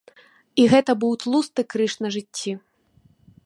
І гэта быў тлусты крыж на жыцці.